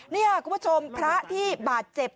นี่คุณผู้ชมพระที่บาดเจ็บ